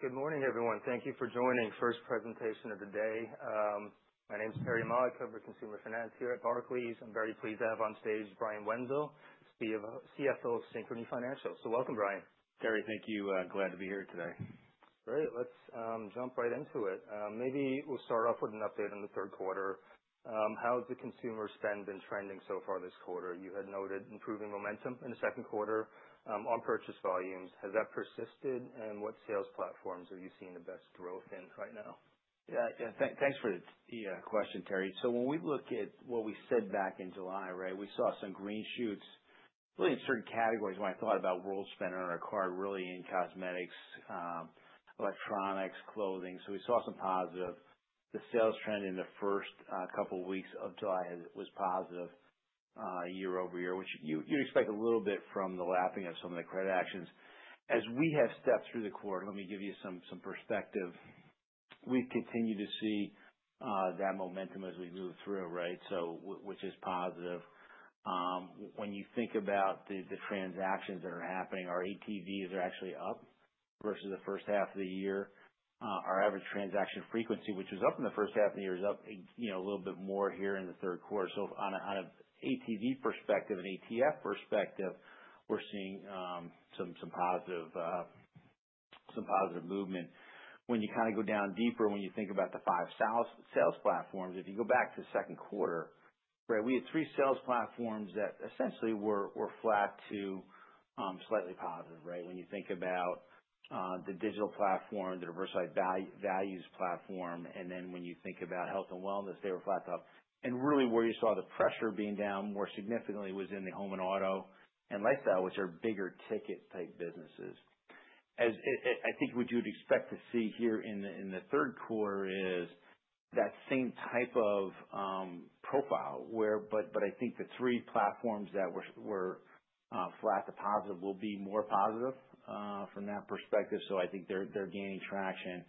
All right. Good morning, everyone. Thank you for joining. First presentation of the day. My name's Terry Ma of Consumer Finance here at Barclays. I'm very pleased to have on stage Brian Wenzel, CFO of Synchrony Financial. So welcome, Brian. Terry, thank you. Glad to be here today. Great. Let's jump right into it. Maybe we'll start off with an update on the third quarter. How's the consumer spend been trending so far this quarter? You had noted improving momentum in the second quarter on purchase volumes. Has that persisted, and what sales platforms are you seeing the best growth in right now? Yeah. Thanks for the question, Terry. So when we look at what we said back in July, right, we saw some green shoots, really in certain categories when I thought about world spend on our card, really in cosmetics, electronics, clothing. So we saw some positive. The sales trend in the first couple of weeks of July was positive year over year, which you'd expect a little bit from the lapping of some of the credit actions. As we have stepped through the quarter, let me give you some perspective. We've continued to see that momentum as we move through, right, which is positive. When you think about the transactions that are happening, our ATVs are actually up versus the first half of the year. Our average transaction frequency, which was up in the first half of the year, is up a little bit more here in the third quarter. So on an ATV perspective, an ATF perspective, we're seeing some positive movement. When you kind of go down deeper, when you think about the five sales platforms, if you go back to the second quarter, right, we had three sales platforms that essentially were flat to slightly positive, right? When you think about the Digital platform, the Diversified Values platform, and then when you think about Health & Wellness, they were flat to up. And really where you saw the pressure being down more significantly was in the Home & Auto and Lifestyle, which are bigger ticket-type businesses. I think what you'd expect to see here in the third quarter is that same type of profile, but I think the three platforms that were flat to positive will be more positive from that perspective. So I think they're gaining traction.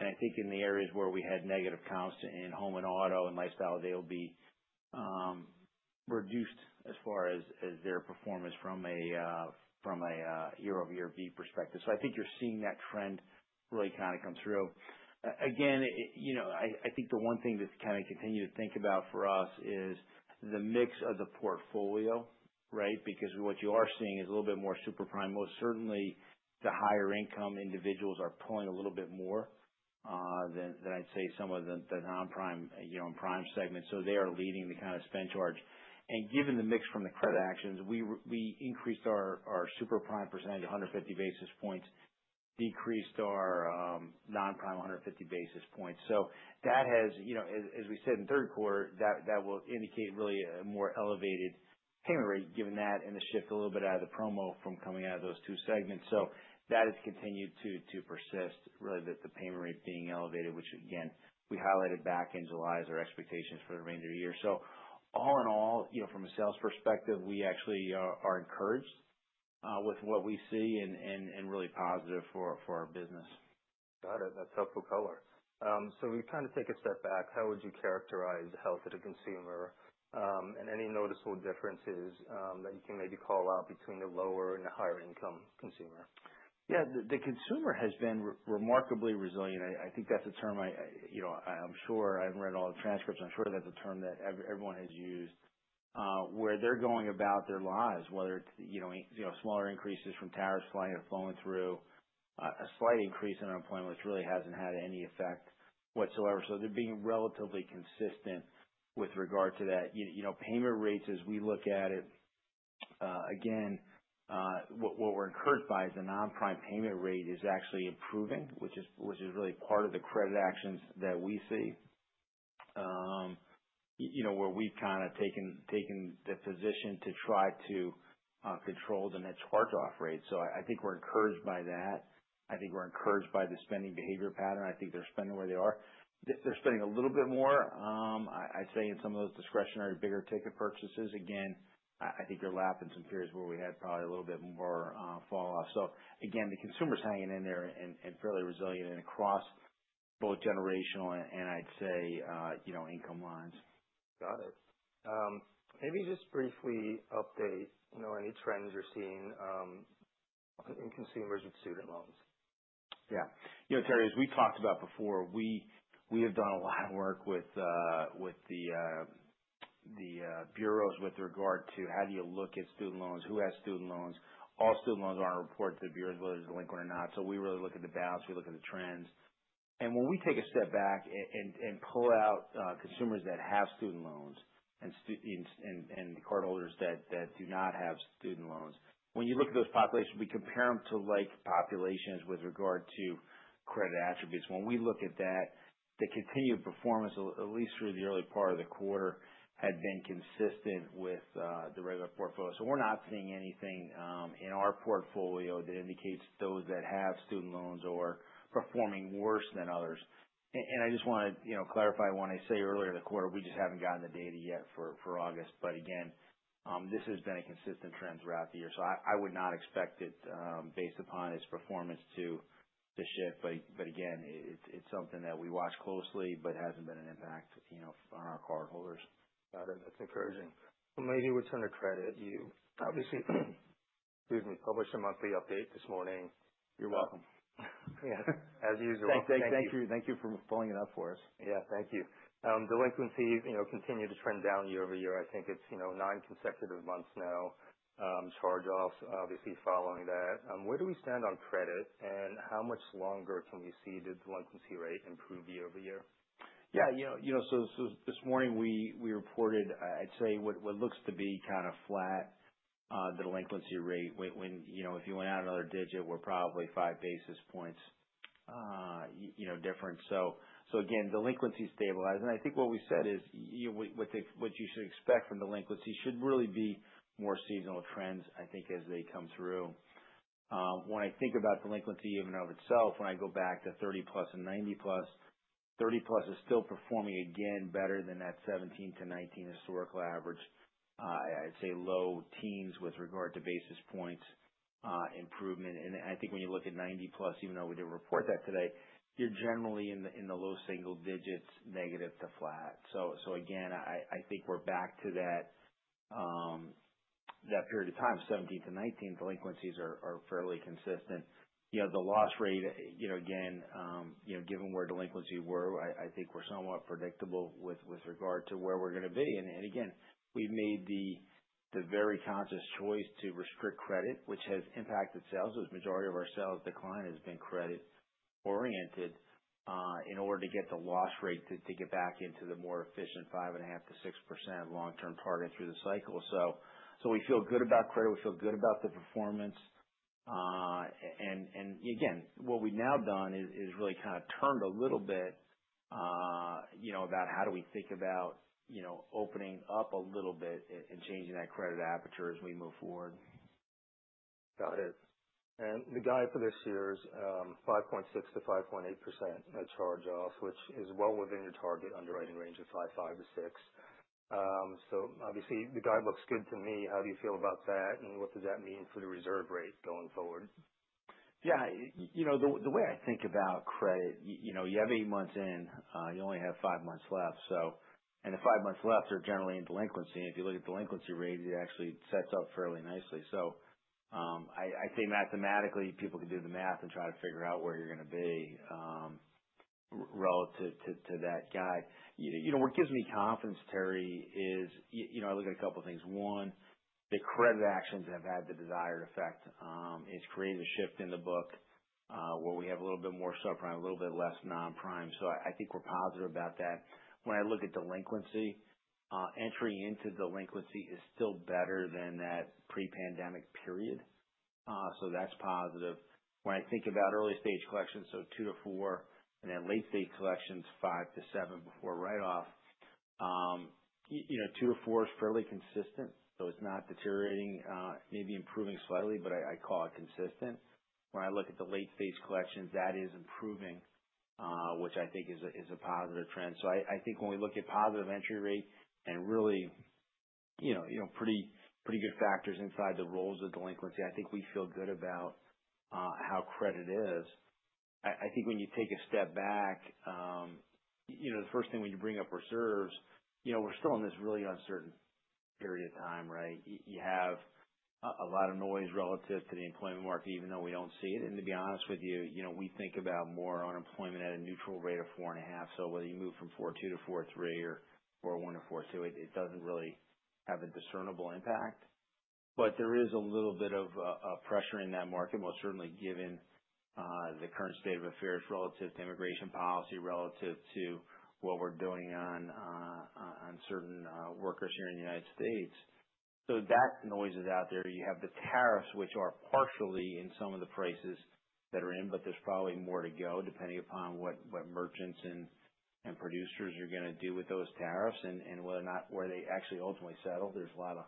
I think in the areas where we had negative counts in home and auto and lifestyle, they'll be reduced as far as their performance from a year-over-year beat perspective. I think you're seeing that trend really kind of come through. Again, I think the one thing that's kind of continued to think about for us is the mix of the portfolio, right? Because what you are seeing is a little bit more super prime. Most certainly, the higher-income individuals are pulling a little bit more than I'd say some of the non-prime and prime segments. They are leading the kind of spend charge. Given the mix from the credit actions, we increased our super prime percentage 150 basis points, decreased our non-prime 150 basis points. So that has, as we said in third quarter, that will indicate really a more elevated payment rate given that and the shift a little bit out of the promo from coming out of those two segments. So that has continued to persist, really, the payment rate being elevated, which, again, we highlighted back in July as our expectations for the remainder of the year. So all in all, from a sales perspective, we actually are encouraged with what we see and really positive for our business. Got it. That's helpful color. So we've kind of taken a step back. How would you characterize the health of the consumer and any noticeable differences that you can maybe call out between the lower and the higher-income consumer? Yeah. The consumer has been remarkably resilient. I think that's a term I'm sure I've read all the transcripts. I'm sure that's a term that everyone has used where they're going about their lives, whether it's smaller increases from tariffs flying or flowing through a slight increase in unemployment, which really hasn't had any effect whatsoever. So they're being relatively consistent with regard to that. Payment rates, as we look at it, again, what we're encouraged by is the non-prime payment rate is actually improving, which is really part of the credit actions that we see where we've kind of taken the position to try to control the net charged-off rate. So I think we're encouraged by that. I think we're encouraged by the spending behavior pattern. I think they're spending where they are. They're spending a little bit more, I'd say, in some of those discretionary bigger ticket purchases. Again, I think you're lapping some periods where we had probably a little bit more falloff. So again, the consumer's hanging in there and fairly resilient across both generational and, I'd say, income lines. Got it. Maybe just briefly update any trends you're seeing in consumers with student loans. Yeah. Terry, as we talked about before, we have done a lot of work with the bureaus with regard to how do you look at student loans, who has student loans. All student loans are on a report to the bureaus, whether it's delinquent or not. So we really look at the balance. We look at the trends. And when we take a step back and pull out consumers that have student loans and cardholders that do not have student loans, when you look at those populations, we compare them to like populations with regard to credit attributes. When we look at that, the continued performance, at least through the early part of the quarter, had been consistent with the regular portfolio. So we're not seeing anything in our portfolio that indicates those that have student loans are performing worse than others. And I just want to clarify when I say earlier in the quarter, we just haven't gotten the data yet for August. But again, this has been a consistent trend throughout the year. So I would not expect it based upon its performance to shift. But again, it's something that we watch closely but hasn't been an impact on our cardholders. Got it. That's encouraging. So maybe we'll turn to credit. You obviously published a monthly update this morning. You're welcome. As usual. Thank you for pulling it up for us. Yeah. Thank you. Delinquency continued to trend down year over year. I think it's non-consecutive months now. Charge-offs obviously following that. Where do we stand on credit, and how much longer can we see the delinquency rate improve year over year? Yeah. So this morning, we reported, I'd say, what looks to be kind of flat delinquency rate. If you went out another digit, we're probably five basis points different. So again, delinquency stabilized. And I think what we said is what you should expect from delinquency should really be more seasonal trends, I think, as they come through. When I think about delinquency even of itself, when I go back to 30-plus and 90-plus, 30-plus is still performing again better than that 2017-2019 historical average. I'd say low teens with regard to basis points improvement. And I think when you look at 90-plus, even though we didn't report that today, you're generally in the low single digits, negative to flat. So again, I think we're back to that period of time. 2017-2019, delinquencies are fairly consistent. The loss rate, again, given where delinquency were, I think we're somewhat predictable with regard to where we're going to be. And again, we've made the very conscious choice to restrict credit, which has impacted sales. The majority of our sales decline has been credit-oriented in order to get the loss rate to get back into the more efficient 5.5%-6% long-term target through the cycle. So we feel good about credit. We feel good about the performance. And again, what we've now done is really kind of turned a little bit about how do we think about opening up a little bit and changing that credit aperture as we move forward. Got it. And the guide for this year is 5.6%-5.8% charge-off, which is well within your target underwriting range of 5.5%-6%. So obviously, the guide looks good to me. How do you feel about that, and what does that mean for the reserve rate going forward? Yeah. The way I think about credit, you have eight months in. You only have five months left, and the five months left are generally in delinquency. If you look at delinquency rates, it actually sets up fairly nicely, so I think mathematically, people can do the math and try to figure out where you're going to be relative to that guide. What gives me confidence, Terry, is I look at a couple of things. One, the credit actions have had the desired effect. It's created a shift in the book where we have a little bit more subprime, a little bit less non-prime. So I think we're positive about that. When I look at delinquency, entry into delinquency is still better than that pre-pandemic period, so that's positive. When I think about early-stage collections, so two to four, and then late-stage collections, five to seven before write-off, two to four is fairly consistent. So it's not deteriorating, maybe improving slightly, but I call it consistent. When I look at the late-stage collections, that is improving, which I think is a positive trend. So I think when we look at positive entry rate and really pretty good factors inside the rates of delinquency, I think we feel good about how credit is. I think when you take a step back, the first thing when you bring up reserves, we're still in this really uncertain period of time, right? You have a lot of noise relative to the employment market, even though we don't see it. And to be honest with you, we think about more unemployment at a neutral rate of four and a half. Whether you move from 4.2 to 4.3 or one to 4.2, it doesn't really have a discernible impact. But there is a little bit of pressure in that market, most certainly given the current state of affairs relative to immigration policy, relative to what we're doing on certain workers here in the U.S. So that noise is out there. You have the tariffs, which are partially in some of the prices that are in, but there's probably more to go depending upon what merchants and producers are going to do with those tariffs and where they actually ultimately settle. There's a lot of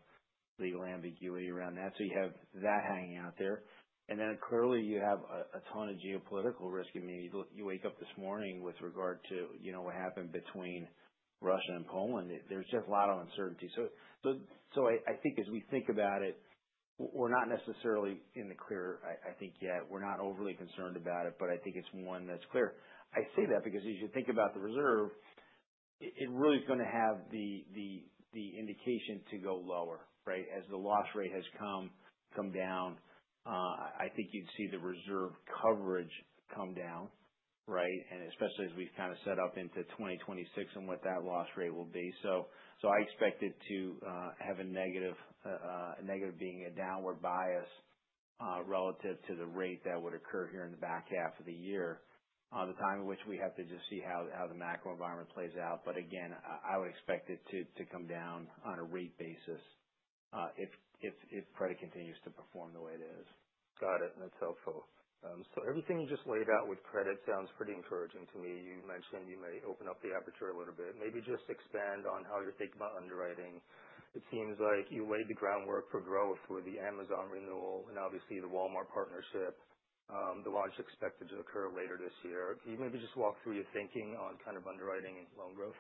legal ambiguity around that. So you have that hanging out there. And then clearly, you have a ton of geopolitical risk. I mean, you wake up this morning with regard to what happened between Russia and Poland. There's just a lot of uncertainty. I think as we think about it, we're not necessarily in the clear, I think, yet. We're not overly concerned about it, but I think it's one that's clear. I say that because as you think about the reserve, it really is going to have the indication to go lower, right? As the loss rate has come down, I think you'd see the reserve coverage come down, right? And especially as we've kind of set up into 2026 and what that loss rate will be. I expect it to have a negative being a downward bias relative to the rate that would occur here in the back half of the year, the time in which we have to just see how the macro environment plays out. But again, I would expect it to come down on a rate basis if credit continues to perform the way it is. Got it. That's helpful. So everything you just laid out with credit sounds pretty encouraging to me. You mentioned you may open up the aperture a little bit. Maybe just expand on how you're thinking about underwriting. It seems like you laid the groundwork for growth with the Amazon renewal and obviously the Walmart partnership. The launch expected to occur later this year. Can you maybe just walk through your thinking on kind of underwriting and loan growth?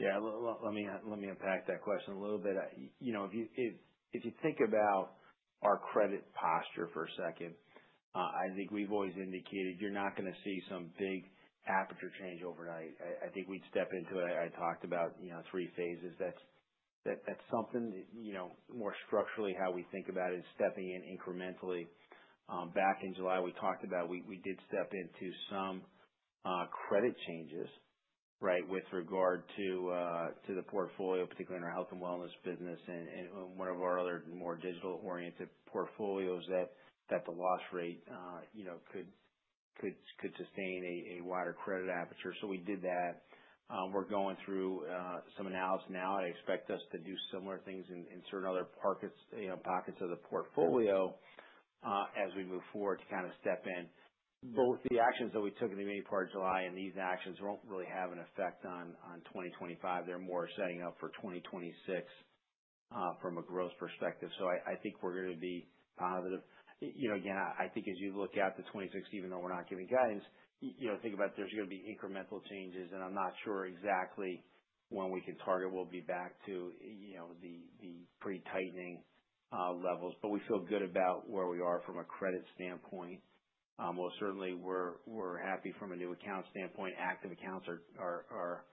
Yeah. Let me unpack that question a little bit. If you think about our credit posture for a second, I think we've always indicated you're not going to see some big aperture change overnight. I think we'd step into it. I talked about three phases. That's something more structurally how we think about it is stepping in incrementally. Back in July, we talked about we did step into some credit changes, right, with regard to the portfolio, particularly in our health and wellness business and one of our other more digital-oriented portfolios that the loss rate could sustain a wider credit aperture. So we did that. We're going through some analysis now. I expect us to do similar things in certain other pockets of the portfolio as we move forward to kind of step in. Both the actions that we took in the remaining part of July and these actions won't really have an effect on 2025. They're more setting up for 2026 from a growth perspective, so I think we're going to be positive. Again, I think as you look at the 2026, even though we're not giving guidance, think about, there's going to be incremental changes, and I'm not sure exactly when we can target. We'll be back to the pre-tightening levels, but we feel good about where we are from a credit standpoint. Most certainly, we're happy from a new account standpoint. Active accounts are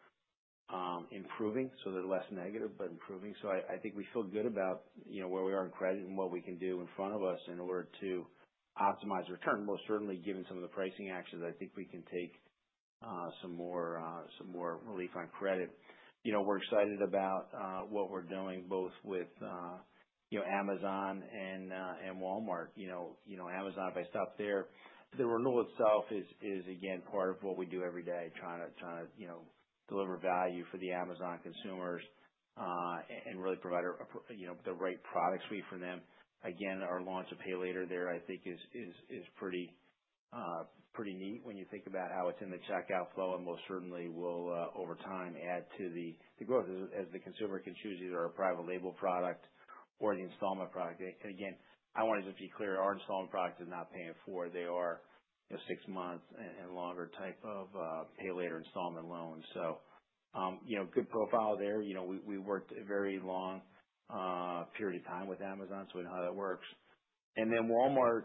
improving, so they're less negative but improving, so I think we feel good about where we are in credit and what we can do in front of us in order to optimize return. Most certainly, given some of the pricing actions, I think we can take some more relief on credit. We're excited about what we're doing both with Amazon and Walmart. Amazon, if I stop there, the renewal itself is, again, part of what we do every day, trying to deliver value for the Amazon consumers and really provide the right products for them. Again, our launch of Pay Later there, I think, is pretty neat when you think about how it's in the checkout flow, and most certainly, we'll, over time, add to the growth as the consumer can choose either our private label product or the installment product, and again, I want to just be clear. Our installment product is not paying for. They are six-month and longer type of Pay Later installment loans. So good profile there. We worked a very long period of time with Amazon. So we know how that works. And then Walmart,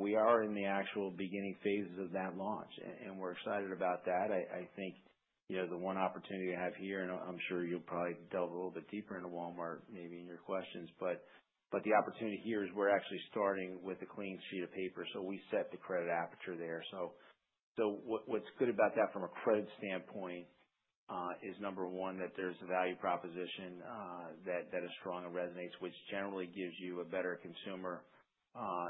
we are in the actual beginning phases of that launch, and we're excited about that. I think the one opportunity we have here, and I'm sure you'll probably delve a little bit deeper into Walmart, maybe in your questions, but the opportunity here is we're actually starting with a clean sheet of paper. So we set the credit aperture there. So what's good about that from a credit standpoint is, number one, that there's a value proposition that is strong and resonates, which generally gives you a better consumer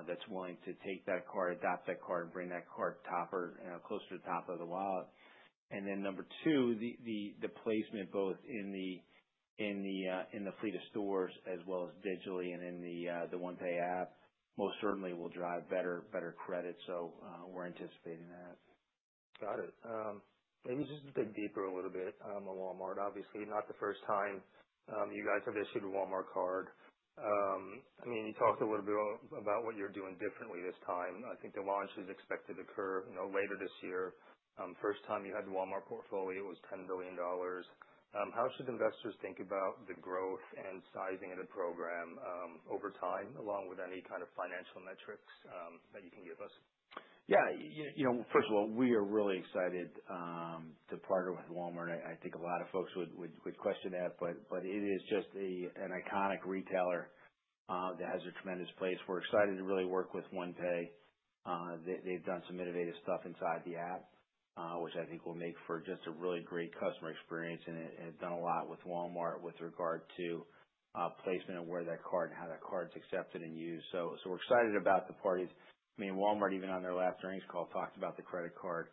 that's willing to take that card, adopt that card, and bring that card closer to the top of the wallet. And then, number two, the placement both in the fleet of stores as well as digitally and in the One app most certainly will drive better credit. So we're anticipating that. Got it. Maybe just to dig deeper a little bit on Walmart, obviously, not the first time you guys have issued a Walmart card. I mean, you talked a little bit about what you're doing differently this time. I think the launch is expected to occur later this year. First time you had the Walmart portfolio, it was $10 billion. How should investors think about the growth and sizing of the program over time, along with any kind of financial metrics that you can give us? Yeah. First of all, we are really excited to partner with Walmart. I think a lot of folks would question that, but it is just an iconic retailer that has a tremendous place. We're excited to really work with OnePay. They've done some innovative stuff inside the app, which I think will make for just a really great customer experience. And it has done a lot with Walmart with regard to placement and where that card and how that card is accepted and used. So we're excited about the parties. I mean, Walmart, even on their last earnings call, talked about the credit card,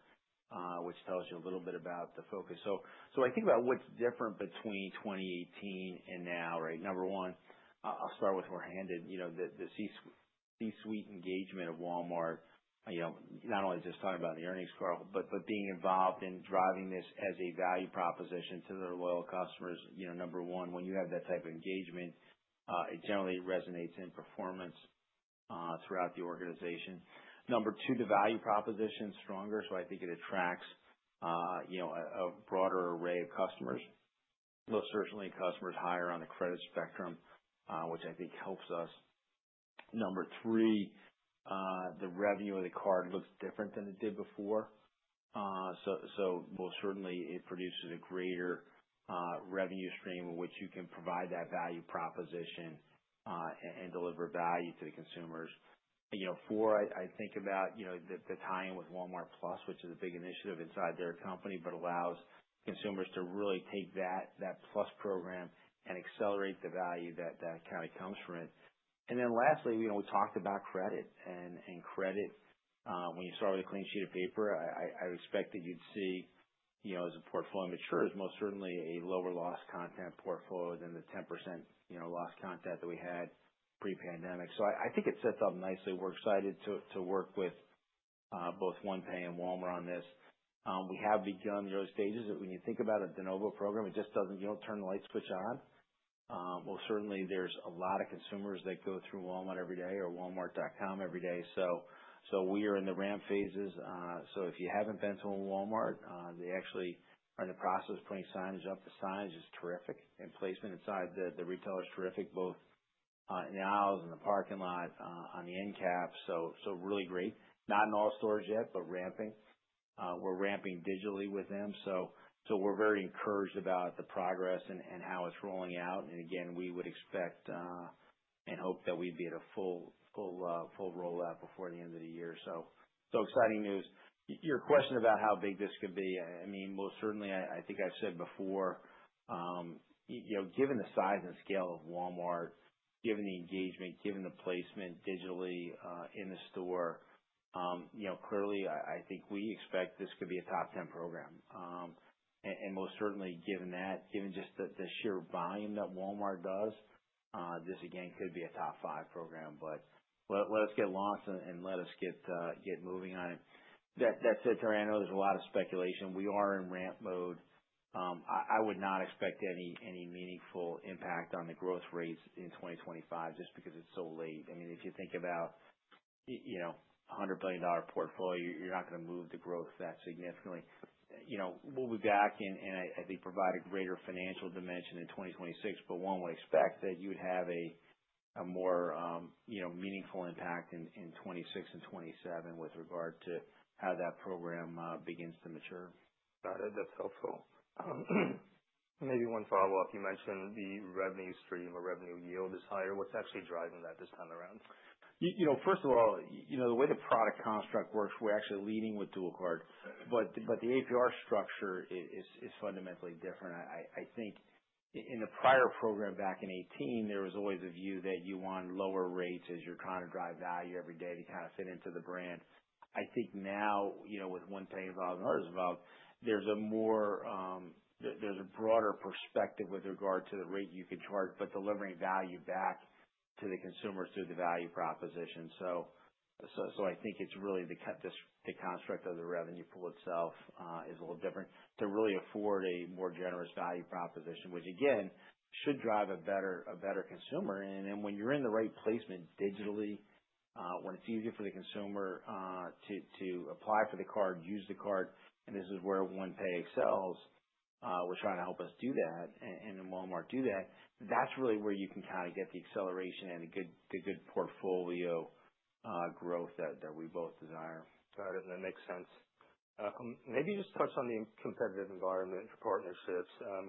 which tells you a little bit about the focus. So when I think about what's different between 2018 and now, right, number one, I'll start with where I ended. The C-suite engagement of Walmart, not only just talking about the earnings call, but being involved in driving this as a value proposition to their loyal customers, number one, when you have that type of engagement, it generally resonates in performance throughout the organization. Number two, the value proposition is stronger. So I think it attracts a broader array of customers, most certainly customers higher on the credit spectrum, which I think helps us. Number three, the revenue of the card looks different than it did before. So most certainly, it produces a greater revenue stream in which you can provide that value proposition and deliver value to the consumers. Four, I think about the tie-in with Walmart+, which is a big initiative inside their company, but allows consumers to really take that Plus program and accelerate the value that kind of comes from it. Lastly, we talked about credit. Credit, when you start with a clean sheet of paper, I expect that you'd see, as the portfolio matures, most certainly a lower loss content portfolio than the 10% loss content that we had pre-pandemic. I think it sets up nicely. We're excited to work with both OnePay and Walmart on this. We have begun the early stages. When you think about a de novo program, it just doesn't turn the light switch on. Most certainly, there's a lot of consumers that go through Walmart every day or Walmart.com every day. We are in the ramp phases. If you haven't been to a Walmart, they actually are in the process of putting signage up. The signage is terrific, and placement inside the retailer is terrific, both in the aisles and the parking lot on the end cap. So really great. Not in all stores yet, but ramping. We're ramping digitally with them. So we're very encouraged about the progress and how it's rolling out. And again, we would expect and hope that we'd be at a full rollout before the end of the year. So exciting news. Your question about how big this could be, I mean, most certainly, I think I've said before, given the size and scale of Walmart, given the engagement, given the placement digitally in the store, clearly, I think we expect this could be a top 10 program. And most certainly, given that, given just the sheer volume that Walmart does, this, again, could be a top five program. But let us get launched and let us get moving on it. That said, Terry, I know there's a lot of speculation. We are in ramp mode. I would not expect any meaningful impact on the growth rates in 2025 just because it's so late. I mean, if you think about a $100 billion portfolio, you're not going to move the growth that significantly. We'll be back, and I think provide a greater financial dimension in 2026, but one would expect that you would have a more meaningful impact in 2026 and 2027 with regard to how that program begins to mature. Got it. That's helpful. Maybe one follow-up. You mentioned the revenue stream or revenue yield is higher. What's actually driving that this time around? First of all, the way the product construct works, we're actually leading with dual card. But the APR structure is fundamentally different. I think in the prior program back in 2018, there was always a view that you want lower rates as you're trying to drive value every day to kind of fit into the brand. I think now with OnePay and Walmart as well, there's a broader perspective with regard to the rate you can charge, but delivering value back to the consumer through the value proposition. So I think it's really the construct of the revenue pool itself is a little different to really afford a more generous value proposition, which, again, should drive a better consumer. Then when you're in the right placement digitally, when it's easier for the consumer to apply for the card, use the card, and this is where OnePay excels, we're trying to help us do that, and then Walmart do that. That's really where you can kind of get the acceleration and the good portfolio growth that we both desire. Got it. That makes sense. Maybe just touch on the competitive environment for partnerships.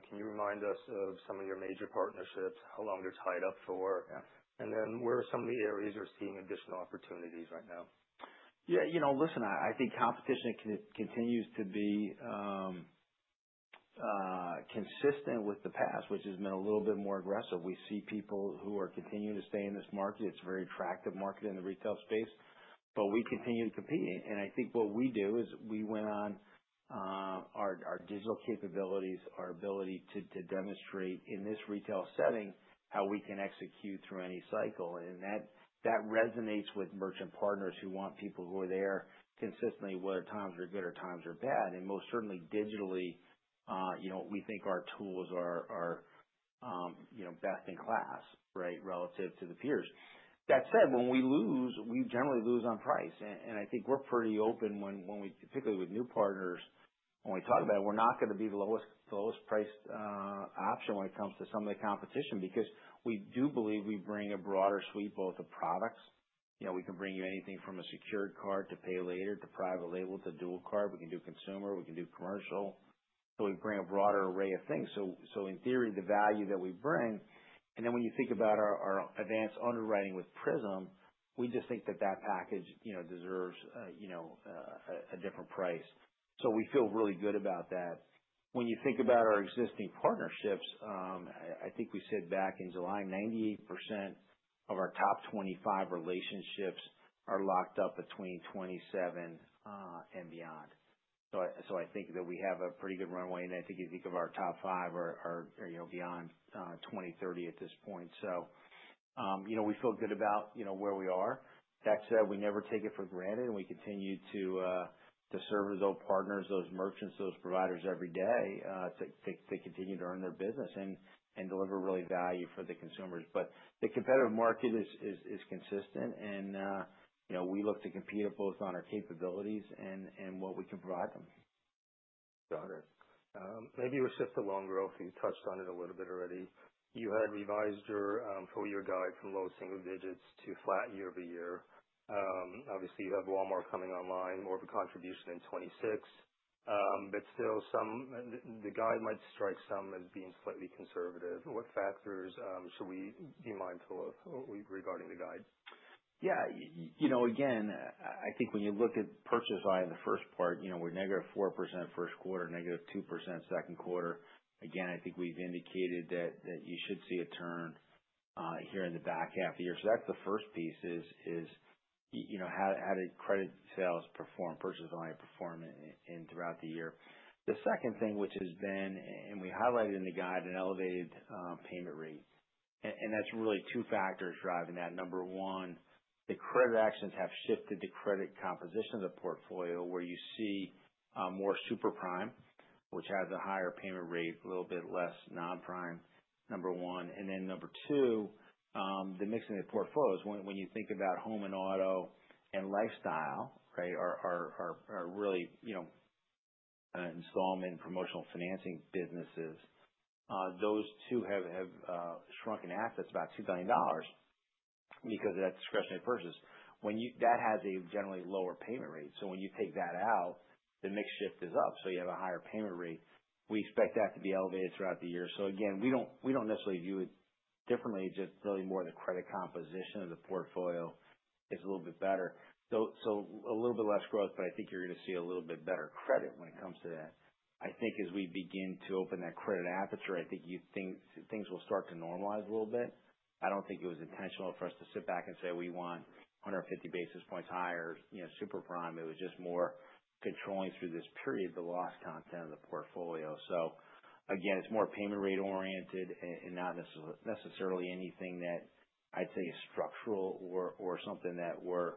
Can you remind us of some of your major partnerships, how long they're tied up for, and then where some of the areas are seeing additional opportunities right now? Yeah. Listen, I think competition continues to be consistent with the past, which has been a little bit more aggressive. We see people who are continuing to stay in this market. It's a very attractive market in the retail space, but we continue to compete. And I think what we do is we lean on our digital capabilities, our ability to demonstrate in this retail setting how we can execute through any cycle. And that resonates with merchant partners who want people who are there consistently whether times are good or times are bad. And most certainly, digitally, we think our tools are best in class, right, relative to the peers. That said, when we lose, we generally lose on price. I think we're pretty open when we, particularly with new partners, when we talk about it, we're not going to be the lowest priced option when it comes to some of the competition because we do believe we bring a broader suite both of products. We can bring you anything from a secured card to PayLater to Private Label to Dual Card. We can do consumer. We can do commercial. So we bring a broader array of things. So in theory, the value that we bring, and then when you think about our advanced underwriting with PRISM, we just think that that package deserves a different price. So we feel really good about that. When you think about our existing partnerships, I think we said back in July, 98% of our top 25 relationships are locked up between 2027 and beyond. So I think that we have a pretty good runway. And I think if you think of our top five or beyond, 2030 at this point. So we feel good about where we are. That said, we never take it for granted, and we continue to serve those partners, those merchants, those providers every day to continue to earn their business and deliver really value for the consumers. But the competitive market is consistent, and we look to compete at both on our capabilities and what we can provide them. Got it. Maybe we shift to loan growth. You touched on it a little bit already. You had revised your four-year guide from low single digits to flat year-over-year. Obviously, you have Walmart coming online, more of a contribution in 2026. But still, the guide might strike some as being slightly conservative. What factors should we be mindful of regarding the guide? Yeah. Again, I think when you look at purchase volume in the first part, we're negative 4% first quarter, negative 2% second quarter. Again, I think we've indicated that you should see a turn here in the back half of the year. So that's the first piece is how did credit sales perform, purchase volume perform throughout the year? The second thing, which has been, and we highlighted in the guide, an elevated payment rate. And that's really two factors driving that. Number one, the credit actions have shifted the credit composition of the portfolio where you see more super prime, which has a higher payment rate, a little bit less non-prime, number one. And then number two, the mixing of the portfolios. When you think about home and auto and lifestyle, right, are really installment and promotional financing businesses. Those two have shrunk in assets about $2 billion because of that discretionary purchase. That has a generally lower payment rate. So when you take that out, the mix shift is up. So you have a higher payment rate. We expect that to be elevated throughout the year. So again, we don't necessarily view it differently. It's just really more the credit composition of the portfolio is a little bit better. So a little bit less growth, but I think you're going to see a little bit better credit when it comes to that. I think as we begin to open that credit aperture, I think things will start to normalize a little bit. I don't think it was intentional for us to sit back and say, "We want 150 basis points higher Super Prime." It was just more controlling through this period, the loss content of the portfolio. So again, it's more payment rate oriented and not necessarily anything that I'd say is structural or something that we're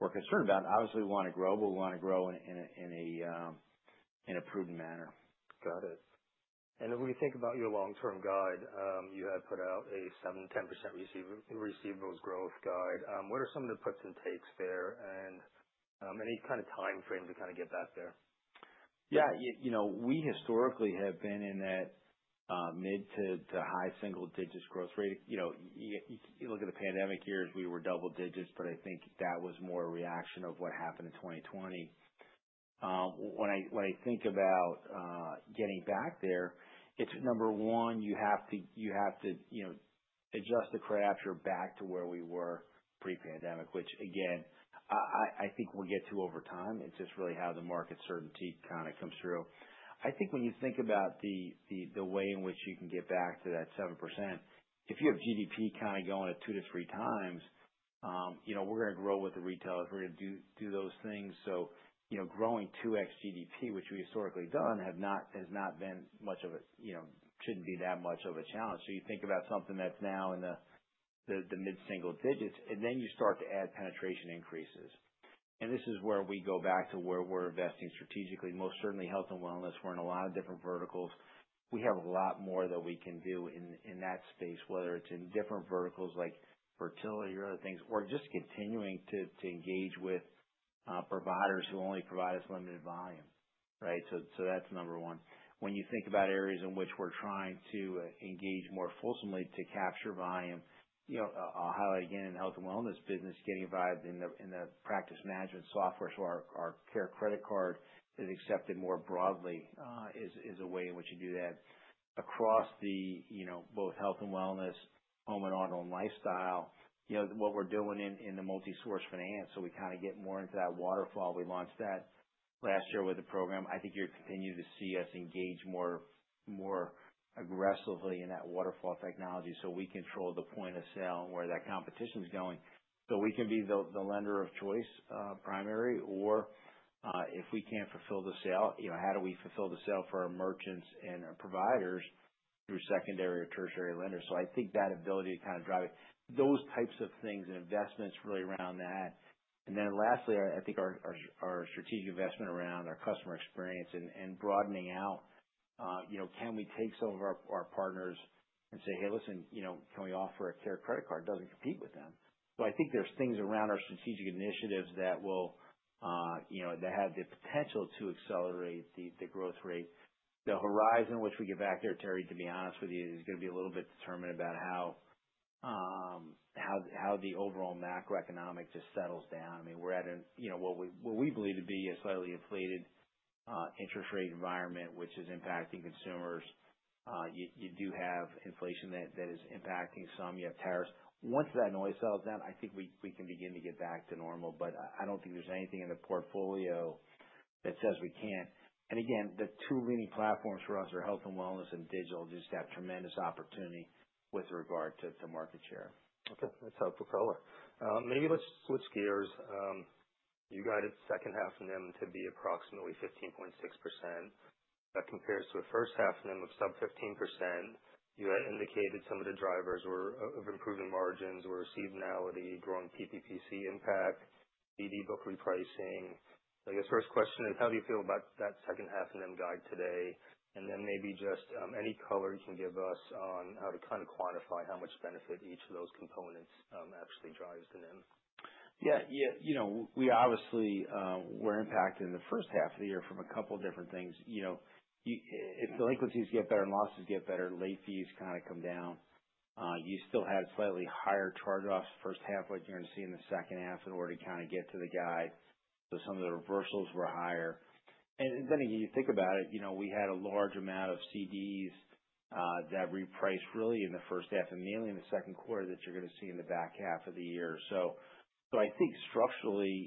concerned about. Obviously, we want to grow, but we want to grow in a prudent manner. Got it. And when you think about your long-term guide, you had put out a 7%-10% receivables growth guide. What are some of the puts and takes there and any kind of time frame to kind of get back there? Yeah. We historically have been in that mid- to high-single-digits growth rate. You look at the pandemic years, we were double digits, but I think that was more a reaction of what happened in 2020. When I think about getting back there, it's number one, you have to adjust the credit environment back to where we were pre-pandemic, which again, I think we'll get to over time. It's just really how the market certainty kind of comes through. I think when you think about the way in which you can get back to that 7%, if you have GDP kind of going at two to three times, we're going to grow with the retailers. We're going to do those things. So growing 2x GDP, which we historically done, shouldn't be that much of a challenge. You think about something that's now in the mid single digits, and then you start to add penetration increases. This is where we go back to where we're investing strategically. Most certainly, health and wellness, we're in a lot of different verticals. We have a lot more that we can do in that space, whether it's in different verticals like fertility or other things, or just continuing to engage with providers who only provide us limited volume, right? That's number one. When you think about areas in which we're trying to engage more fulsomely to capture volume, I'll highlight again in the health and wellness business, getting involved in the practice management software. Our CareCredit card is accepted more broadly is a way in which you do that. Across both health and wellness, home and auto, and lifestyle, what we're doing in the multi-source finance, so we kind of get more into that waterfall. We launched that last year with the program. I think you'll continue to see us engage more aggressively in that waterfall technology, so we control the point of sale and where that competition is going, so we can be the lender of choice primary, or if we can't fulfill the sale, how do we fulfill the sale for our merchants and our providers through secondary or tertiary lenders. I think that ability to kind of drive it, those types of things and investments really around that. And then lastly, I think our strategic investment around our customer experience and broadening out, can we take some of our partners and say, "Hey, listen, can we offer a CareCredit card that doesn't compete with them?" So I think there's things around our strategic initiatives that will have the potential to accelerate the growth rate. The horizon in which we get back there, Terry, to be honest with you, is going to be a little bit determined about how the overall macroeconomic just settles down. I mean, we're at what we believe to be a slightly inflated interest rate environment, which is impacting consumers. You do have inflation that is impacting some. You have tariffs. Once that noise settles down, I think we can begin to get back to normal, but I don't think there's anything in the portfolio that says we can't. Again, the two leading platforms for usd are health and wellness and digital. Just have tremendous opportunity with regard to market share. Okay. That's helpful color. Maybe let's switch gears. You guided the second half of NIM to be approximately 15.6%. That compares to a first half of NIM of sub 15%. You had indicated some of the drivers were of improving margins or seasonality, growing PPPC impact, BD book repricing. I guess first question is, how do you feel about that second half of NIM guide today? And then maybe just any color you can give us on how to kind of quantify how much benefit each of those components actually drives the NIM. Yeah. Yeah. We obviously were impacted in the first half of the year from a couple of different things. If delinquencies get better and losses get better, late fees kind of come down. You still had slightly higher charge-offs first half, like you're going to see in the second half in order to kind of get to the guide. So some of the reversals were higher. And then again, you think about it, we had a large amount of CDs that repriced really in the first half and mainly in the second quarter that you're going to see in the back half of the year. So I think structurally,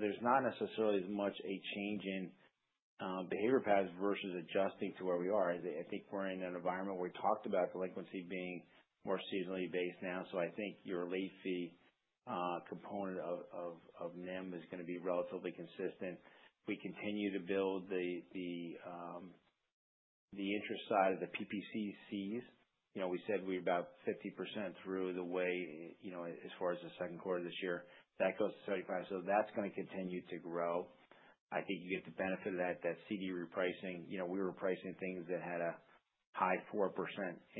there's not necessarily as much a change in behavior paths versus adjusting to where we are. I think we're in an environment where we talked about delinquency being more seasonally based now. I think your late fee component of NIM is going to be relatively consistent. We continue to build the interest side of the PPPC. We said we were about 50% through the way as far as the second quarter of this year. That goes to 75. That's going to continue to grow. I think you get the benefit of that CD repricing. We were pricing things that had a high 4%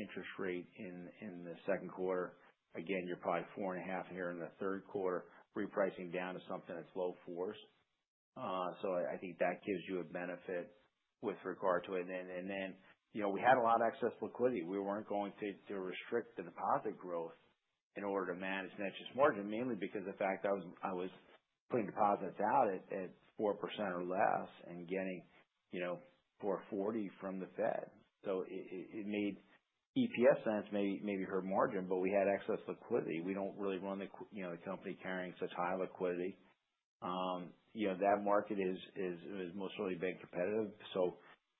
interest rate in the second quarter. Again, you're probably 4.5% here in the third quarter, repricing down to something that's low fours. I think that gives you a benefit with regard to it. And then we had a lot of excess liquidity. We weren't going to restrict the deposit growth in order to manage net interest margin, mainly because of the fact I was putting deposits out at 4% or less and getting 440 from the Fed. So it made EPS sense, maybe higher margin, but we had excess liquidity. We don't really run the company carrying such high liquidity. That market has mostly been competitive. So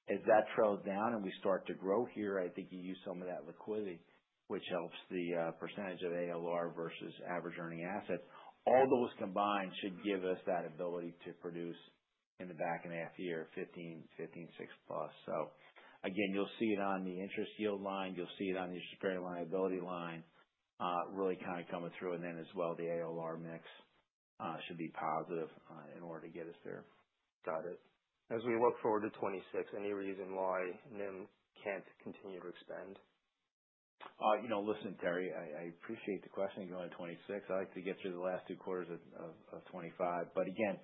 as that trails down and we start to grow here, I think you use some of that liquidity, which helps the percentage of ALR versus average earning assets. All those combined should give us that ability to produce in the back half of the year, 15-16 +. So again, you'll see it on the interest yield line. You'll see it on the variable liability line, really kind of coming through. As well, the ALR mix should be positive in order to get us there. Got it. As we look forward to 2026, any reason why NIM can't continue to expand? Listen, Terry. I appreciate the question going to 2026. I like to get through the last two quarters of 2025. But again,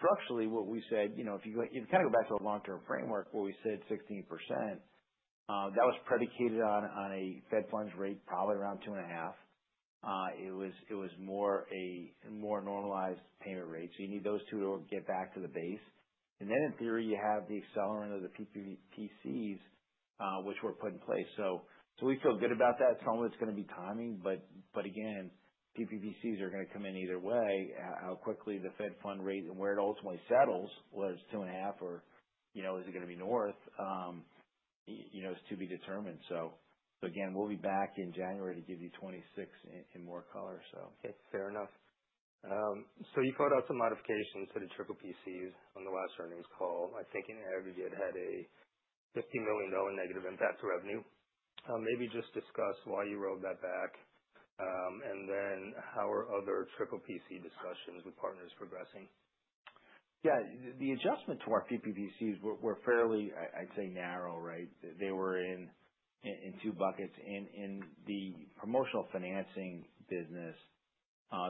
structurally, what we said, if you kind of go back to a long-term framework, what we said 16%, that was predicated on a Fed funds rate probably around 2.5. It was a more normalized payment rate. So you need those two to get back to the base. And then in theory, you have the accelerant of the PPPCs, which were put in place. So we feel good about that. It's only going to be timing. But again, PPPCs are going to come in either way. How quickly the Fed fund rate and where it ultimately settles, whether it's 2.5 or is it going to be north, is to be determined. So again, we'll be back in January to give you 2026 in more color, so. Fair enough. So you called out some modifications to the triple PCs on the last earnings call. I think in aggregate had a $50 million negative impact to revenue. Maybe just discuss why you rolled that back and then how are other triple PC discussions with partners progressing? Yeah. The adjustment to our PPPCs were fairly, I'd say, narrow, right? They were in two buckets. In the promotional financing business,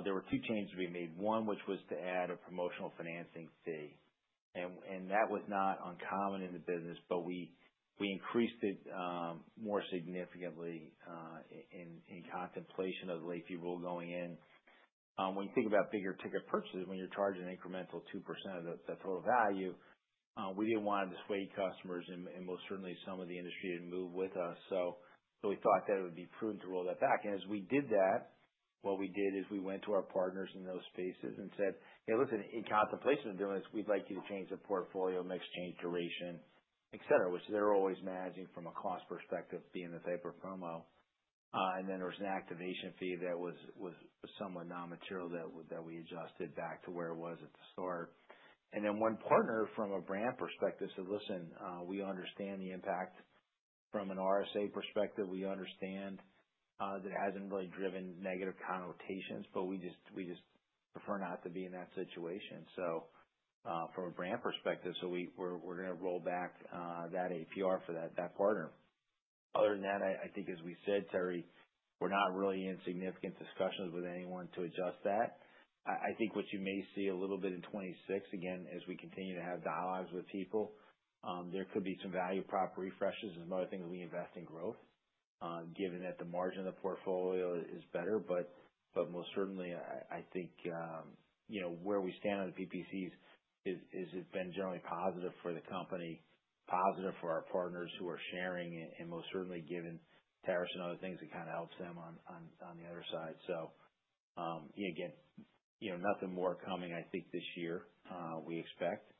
there were two changes we made. One, which was to add a promotional financing fee. And that was not uncommon in the business, but we increased it more significantly in contemplation of the late fee rule going in. When you think about bigger ticket purchases, when you're charging incremental 2% of the total value, we didn't want to dissuade customers and most certainly some of the industry to move with us. So we thought that it would be prudent to roll that back. And as we did that, what we did is we went to our partners in those spaces and said, "Hey, listen, in contemplation of doing this, we'd like you to change the portfolio mix, change duration, etc.," which they're always managing from a cost perspective being the type of promo. And then there was an activation fee that was somewhat non-material that we adjusted back to where it was at the start. And then one partner from a brand perspective said, "Listen, we understand the impact from an RSA perspective. We understand that it hasn't really driven negative connotations, but we just prefer not to be in that situation." So from a brand perspective, we're going to roll back that APR for that partner. Other than that, I think as we said, Terry, we're not really in significant discussions with anyone to adjust that. I think what you may see a little bit in 2026, again, as we continue to have dialogues with people, there could be some value prop refreshes as more things we invest in growth, given that the margin of the portfolio is better. But most certainly, I think where we stand on the PPCs has been generally positive for the company, positive for our partners who are sharing, and most certainly given tariffs and other things that kind of helps them on the other side. So again, nothing more coming, I think, this year we expect.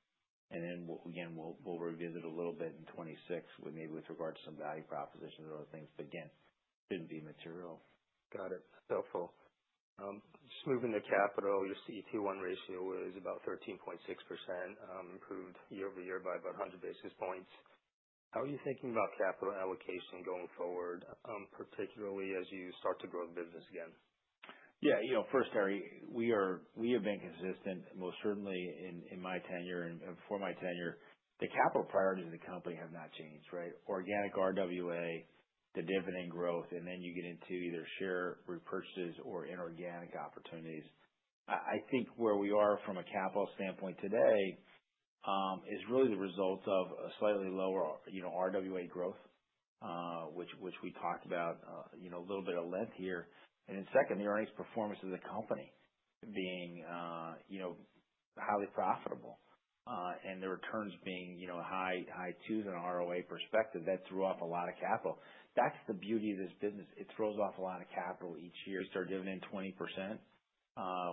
And then again, we'll revisit a little bit in 2026, maybe with regard to some value propositions or other things. But again, shouldn't be material. Got it. That's helpful. Just moving to capital, your CET1 ratio is about 13.6%, improved year over year by about 100 basis points. How are you thinking about capital allocation going forward, particularly as you start to grow the business again? Yeah. First, Terry, we have been consistent, most certainly in my tenure and before my tenure. The capital priorities of the company have not changed, right? Organic RWA, the dividend growth, and then you get into either share repurchases or inorganic opportunities. I think where we are from a capital standpoint today is really the result of a slightly lower RWA growth, which we talked about a little bit at length here. And then second, the earnings performance of the company being highly profitable and the returns being high twos on ROA perspective, that threw off a lot of capital. That's the beauty of this business. It throws off a lot of capital each. We started dividend 20%.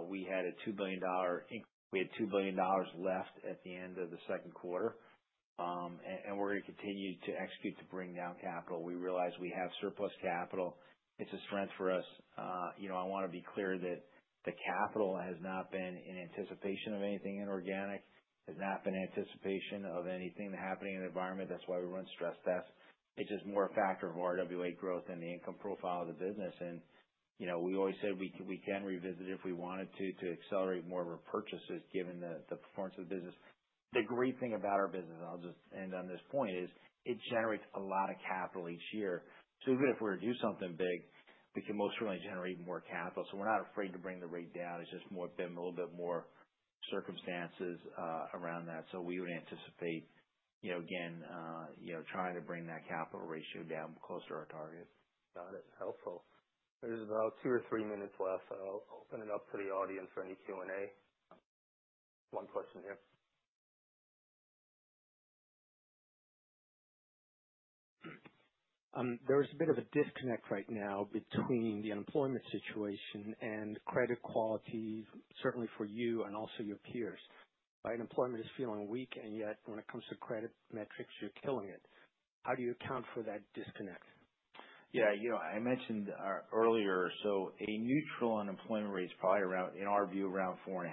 We had a $2 billion buyback. We had $2 billion left at the end of the second quarter. And we're going to continue to execute to bring down capital. We realize we have surplus capital. It's a strength for us. I want to be clear that the capital has not been in anticipation of anything inorganic, has not been in anticipation of anything happening in the environment. That's why we run stress tests. It's just more a factor of RWA growth and the income profile of the business. And we always said we can revisit it if we wanted to, to accelerate more of our purchases given the performance of the business. The great thing about our business, and I'll just end on this point, is it generates a lot of capital each year. So even if we were to do something big, we can most certainly generate more capital. So we're not afraid to bring the rate down. It's just been a little bit more circumstances around that. We would anticipate, again, trying to bring that capital ratio down close to our target. Got it. Helpful. There's about two or three minutes left. I'll open it up to the audience for any Q&A. One question here. There's a bit of a disconnect right now between the unemployment situation and credit quality, certainly for you and also your peers. Unemployment is feeling weak, and yet when it comes to credit metrics, you're killing it. How do you account for that disconnect? Yeah. I mentioned earlier, so a neutral unemployment rate is probably, in our view, around 4.5,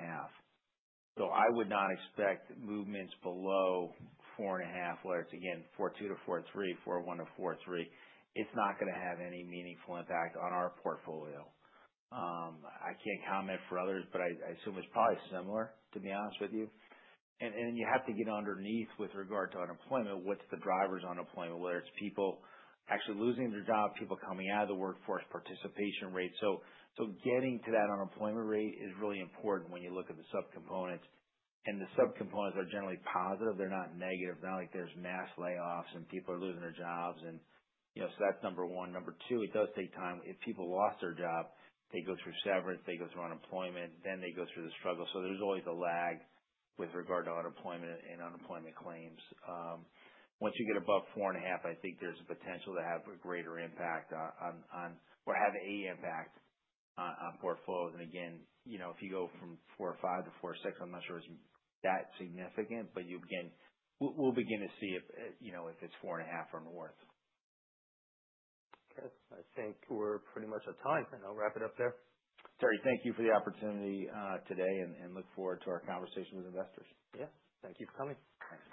so I would not expect movements below 4.5, whether it's again 4.2 to 4.3, 4.1 to 4.3; it's not going to have any meaningful impact on our portfolio. I can't comment for others, but I assume it's probably similar, to be honest with you, and then you have to get underneath with regard to unemployment, what's driving unemployment, whether it's people actually losing their job, people coming out of the workforce, participation rate, so getting to that unemployment rate is really important when you look at the subcomponents, and the subcomponents are generally positive. They're not negative. They're not like there's mass layoffs and people are losing their jobs, and so that's number one. Number two, it does take time. If people lost their job, they go through severance, they go through unemployment, then they go through the struggle. So there's always a lag with regard to unemployment and unemployment claims. Once you get above 4.5, I think there's a potential to have a greater impact on or have an impact on portfolios. And again, if you go from 4.5 to 4.6, I'm not sure it's that significant, but we'll begin to see if it's 4.5 or worse. Okay. I think we're pretty much at time. I'll wrap it up there. Terry, thank you for the opportunity today and look forward to our conversation with investors. Yeah. Thank you for coming.